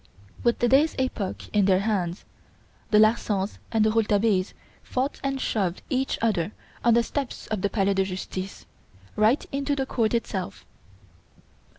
With the day's "Epoque" in their hands, the "Larsans" and the "Rouletabilles" fought and shoved each other on the steps of the Palais de Justice, right into the court itself.